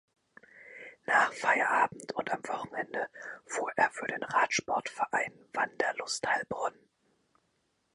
Nach Feierabend und am Wochenende fuhr er für den Radsportverein Wanderlust Heilbronn.